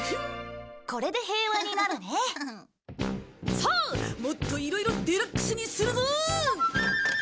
さあもっといろいろデラックスにするぞ！